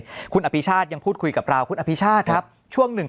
วันนี้คุณอภิชาติยังพูดคุยกับเราคุณอภิชาติครับช่วงหนึ่ง